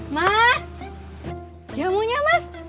mas jamunya mas